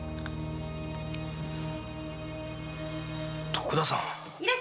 徳田さん！